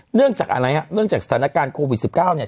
เนื่องจากอะไรฮะเนื่องจากสถานการณ์โควิด๑๙เนี่ย